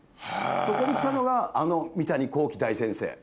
そこに来たのがあの三谷幸喜大先生。